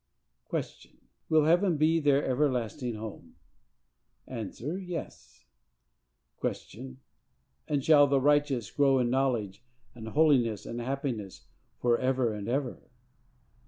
Q. Will heaven be their everlasting home?—A. Yes. Q. And shall the righteous grow in knowledge and holiness and happiness for ever and ever?